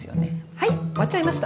はい終わっちゃいました。